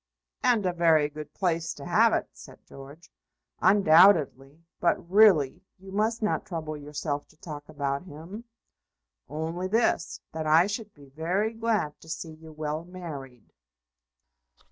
"And a very good place to have it," said George. "Undoubtedly. But, really, you must not trouble yourself to talk about him." "Only this, that I should be very glad to see you well married."